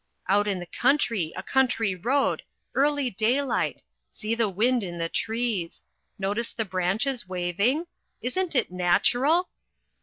Out in the country a country road early daylight see the wind in the trees! Notice the branches waving? Isn't it natural?